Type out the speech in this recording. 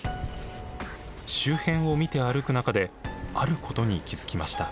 周辺を見て歩く中であることに気付きました。